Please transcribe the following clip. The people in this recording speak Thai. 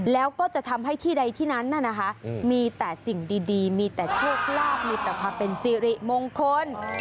แล้วก็จะทำให้ที่ใดที่นั้นน่ะนะคะมีแต่สิ่งดีมีแต่โชคลาภมีแต่ความเป็นสิริมงคล